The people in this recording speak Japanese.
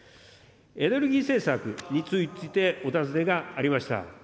エネルギー政策についてお尋ねがありました。